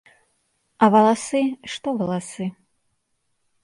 А валасы, што валасы?